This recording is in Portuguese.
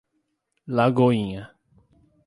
Lagoinha